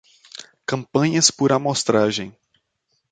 Campanhas por amostragem